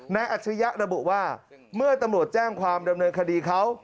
อัจฉริยะระบุว่าเมื่อตำรวจแจ้งความดำเนินคดีเขา